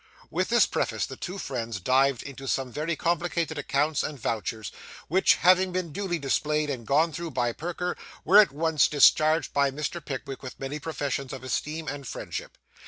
With this preface, the two friends dived into some very complicated accounts and vouchers, which, having been duly displayed and gone through by Perker, were at once discharged by Mr. Pickwick with many professions of esteem and friendship.